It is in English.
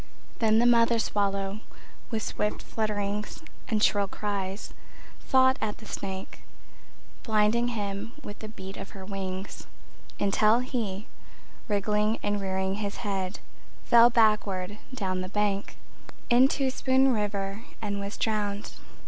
Then the mother swallow with swift flutterings And shrill cries Fought at the snake, Blinding him with the beat of her wings, Until he, wriggling and rearing his head, Fell backward down the bank Into Spoon River and was drowned.